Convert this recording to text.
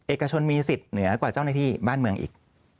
เอกชนมีสิทธิ์เหนือกว่าเจ้าหน้าที่บ้านเมืองอีก